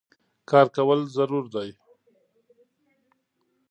کار کول ضرور دي